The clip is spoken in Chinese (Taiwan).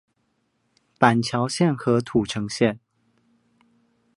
板橋線和土城線